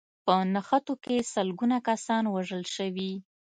په نښتو کې سلګونه کسان وژل شوي